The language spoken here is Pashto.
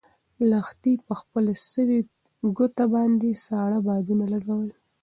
لښتې په خپله سوې ګوته باندې ساړه بادونه لګول.